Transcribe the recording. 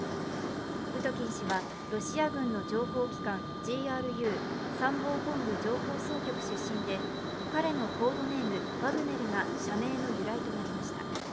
ウトキン氏はロシア軍の情報機関ＧＲＵ＝ロシア軍参謀本部情報総局出身で彼のコードネーム、ワグネルが社名の由来となりました。